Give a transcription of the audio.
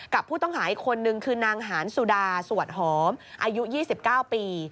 กับผู้ต้องหาอีกคนนึงคือนางหานสุดาสวดหอมอายุ๒๙ปี